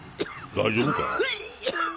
大丈夫か？